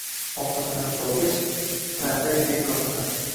Ovqatlanib boʻlgach, tarrakday qotdi.